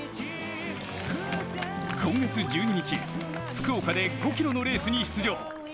今月１２日、福岡で５ｋｍのレースに出場。